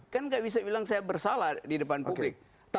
kan gak bisa bilang saya bersalah di depan publik